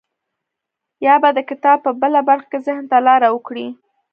يا به د کتاب په بله برخه کې ذهن ته لاره وکړي.